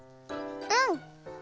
うん！